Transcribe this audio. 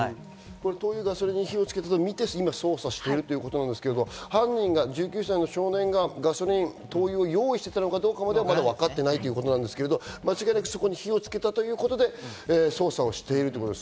灯油やガソリンに火をつけたとみて捜査しているということですけど、犯人の１９歳の少年が灯油やガソリンを用意していたかどうかは、まだわからないということですけど、間違いなく火をつけたとみて捜査しているということです。